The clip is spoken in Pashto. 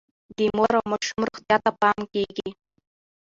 د مور او ماشوم روغتیا ته پام کیږي.